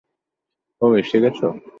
ওহ, এসে গেছে।